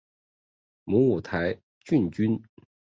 母五台郡君。